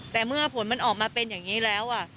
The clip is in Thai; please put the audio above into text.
แต่เมื่อผลมันออกมาเป็นอย่างนี้แล้ว